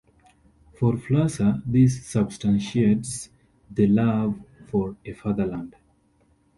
For Flusser this substantiates the "love for a fatherland".